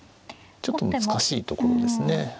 ちょっと難しいところですね。